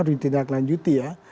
harus dititaklanjuti ya